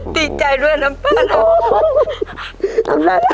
ดีใจด้วยนะป้าแมว